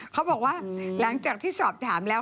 เขาบอกว่าหลังจากที่สอบถามแล้ว